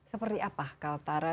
seperti apa kaltara